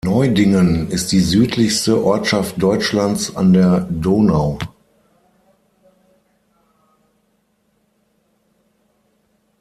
Neudingen ist die südlichste Ortschaft Deutschlands an der Donau.